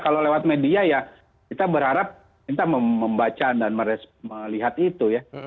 kalau lewat media ya kita berharap kita membaca dan melihat itu ya